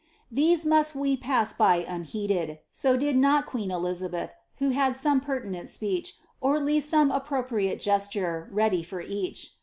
Thete moti we pan by unheeded; eo did; queen Eluab^h, who had some perdnent speech, or least eome 9ipfgQ^ priate geature, ready for each.